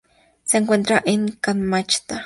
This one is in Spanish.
Se encuentra en Kamchatka.